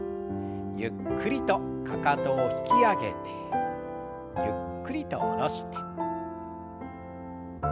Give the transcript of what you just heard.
ゆっくりとかかとを引き上げてゆっくりと下ろして。